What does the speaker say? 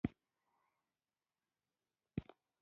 په افغانستان کې د دښتې لپاره طبیعي شرایط مناسب دي.